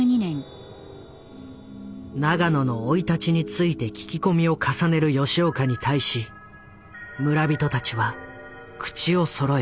永野の生い立ちについて聞き込みを重ねる吉岡に対し村人たちは口をそろえた。